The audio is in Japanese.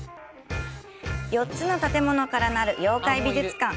４つの建物からなる妖怪美術館。